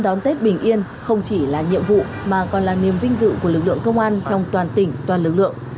đón tết bình yên không chỉ là nhiệm vụ mà còn là niềm vinh dự của lực lượng công an trong toàn tỉnh toàn lực lượng